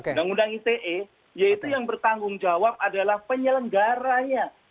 undang undang ite yaitu yang bertanggung jawab adalah penyelenggaranya